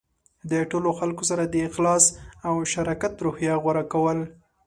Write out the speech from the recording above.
د ټولو خلکو سره د اخلاص او شراکت روحیه غوره کول.